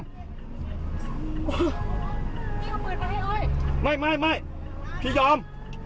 พี่เอามือไหมไม่ไม่ไม่พี่ยอม